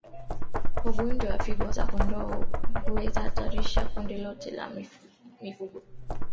Ugonjwa wa figo za kondoo huweza kuathiri kundi lote la mifugo